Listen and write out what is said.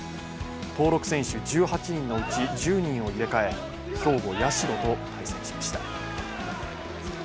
登録選手１８人のうち１０人を入れ替え、兵庫・社と対戦しました。